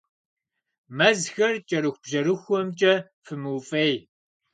Мэзхэр кӀэрыхубжьэрыхухэмкӀэ фымыуфӀей.